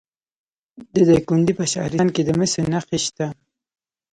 د دایکنډي په شهرستان کې د مسو نښې شته.